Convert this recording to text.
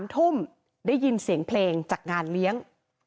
๓ทุ่มได้ยินเสียงเพลงจากงานเลี้ยง